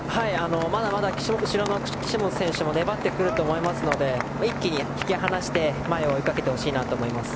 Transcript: まだまだ岸本選手も粘ってくると思いますので一気に引き離して前を追いかけてほしいと思います。